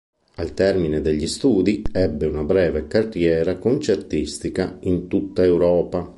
Al termine degli studi ebbe una breve carriera concertistica in tutta Europa.